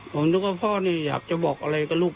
ผมนึกว่าพ่อเนี่ยอยากจะบอกอะไรกับลูก